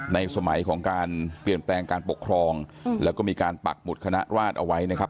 สมัยของการเปลี่ยนแปลงการปกครองแล้วก็มีการปักหมุดคณะราชเอาไว้นะครับ